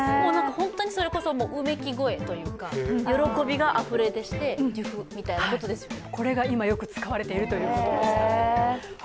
本当にそれこそ、うめき声というか喜びがあふれ出してデュフみたいなことですよね。